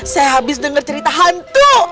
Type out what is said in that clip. saya habis dengar cerita hantu